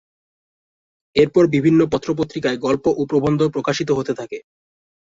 এরপর বিভিন্ন পত্রপত্রিকায় গল্প ও প্রবন্ধ প্রকাশিত হতে থাকে।